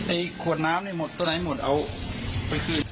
ไอ้ขวดน้ำนี่หมดตัวไหนหมดเอาไปขึ้น